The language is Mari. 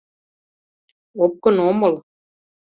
Опкын омыл...